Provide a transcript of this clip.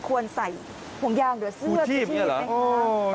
ควรใส่ห่วงยางหรือเสื้อพูดชีพให้ครับ